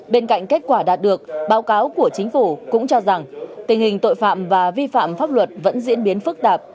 bên cạnh kết quả đạt được báo cáo của chính phủ cũng cho rằng tình hình tội phạm và vi phạm pháp luật vẫn diễn biến phức tạp